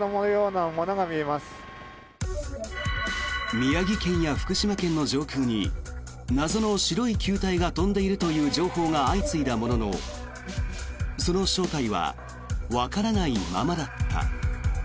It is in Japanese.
宮城県や福島県の上空に謎の白い球体が飛んでいるという情報が相次いだもののその正体はわからないままだった。